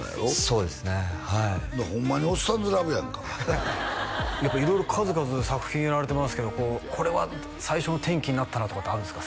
そうですねはいホンマにおっさんずラブやんかやっぱ色々数々作品やられてますけどこうこれは最初の転機になったなとかってあるんすか？